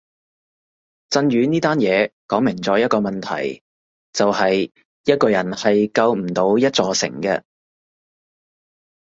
震宇呢單嘢講明咗一個問題就係一個人係救唔到一座城嘅